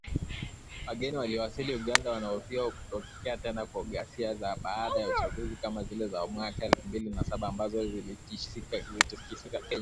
Wageni wanaowasili Uganda wanahofia kutokea tena kwa ghasia za baada ya uchaguzi kama zile za mwaka elfu mbili na saba ambazo ziliitikisa Kenya